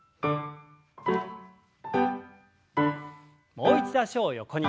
もう一度脚を横に。